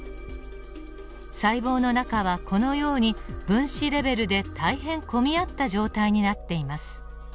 細胞の中はこのように分子レベルで大変混み合った状態になっています。